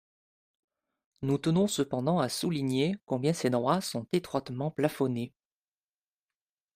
Nous tenons cependant à souligner combien ces droits sont étroitement plafonnés.